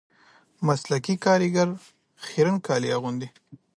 مسلکي کاریګر خیرن کالي اغوندي